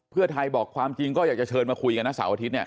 เพื่อไทยบอกความจริงก็อยากจะเชิญมาคุยกันนะเสาร์อาทิตย์เนี่ย